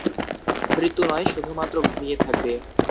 মৃত্যু নয়, শুধুমাত্র ঘুমিয়ে থাকবে।